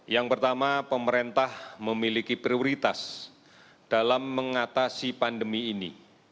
yang pertama pemerintah memiliki prioritas dalam mengatasi pandemi ini